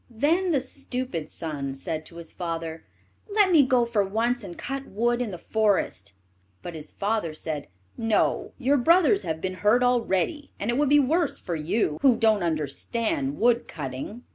Then the stupid son said to his father, "Let me go for once and cut wood in the forest." But his father said: "No, your brothers have been hurt already, and it would be worse for you, who don't understand wood cutting."